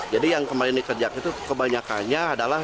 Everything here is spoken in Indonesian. jadi yang kemarin dikerjak itu kebanyakannya adalah